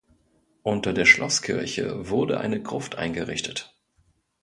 Unter der Schlosskirche wurde eine Gruft eingerichtet.